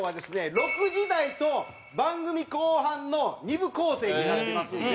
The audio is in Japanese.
６時台と番組後半の２部構成になってますので。